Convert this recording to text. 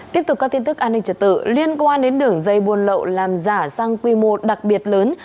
tiếp tục các tin tức an ninh trật tự liên quan đến đường dây buôn lậu làm giả sang quy mô đặc biệt lớn